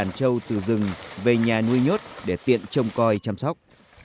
các con trâu từ rừng về nhà nuôi nhốt để tiện trông coi chăm sóc